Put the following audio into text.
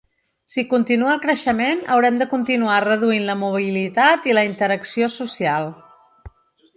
Si continua el creixement haurem de continuar reduint la mobilitat i la interacció social.